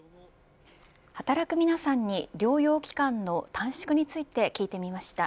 働く皆さんに療養期間の短縮について聞いてみました。